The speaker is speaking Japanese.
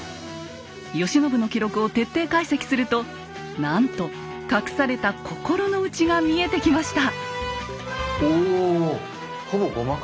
慶喜の記録を徹底解析するとなんと隠された心の内が見えてきました。